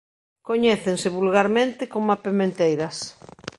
Coñécense vulgarmente coma pementeiras.